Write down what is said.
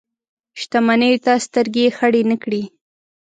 شتمنیو ته سترګې خړې نه کړي.